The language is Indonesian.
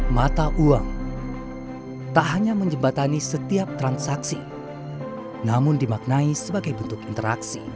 mata uang tak hanya menjembatani setiap transaksi namun dimaknai sebagai bentuk interaksi